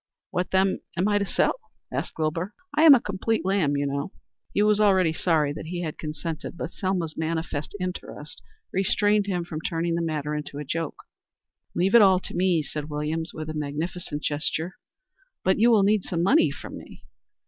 "What, then, am I to sell?" asked Wilbur "I am a complete lamb, you know." He was already sorry that he had consented, but Selma's manifest interest restrained him from turning the matter into a joke. "Leave it all to me," said Williams with a magnificent gesture. "But you will need some money from me."